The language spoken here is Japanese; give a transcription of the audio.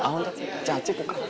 じゃああっち行こうか。